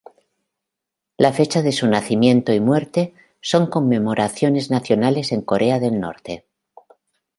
La fecha de su nacimiento y muerte son conmemoraciones nacionales en Corea del Norte.